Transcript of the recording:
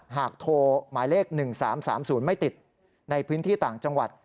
หากโทรหมายเลข๑๓๓๐ไม่ติดในพื้นที่ต่างจังหวัด